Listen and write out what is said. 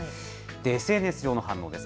ＳＮＳ上の反応です。